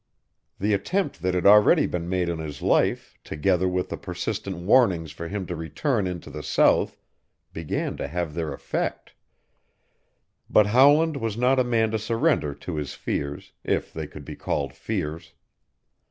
The attempt that had already been made on his life together with the persistent warnings for him to return into the South began to have their effect. But Howland was not a man to surrender to his fears, if they could be called fears.